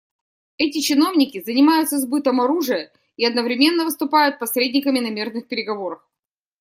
Эти чиновники занимаются сбытом оружия и одновременно выступают посредниками на мирных переговорах.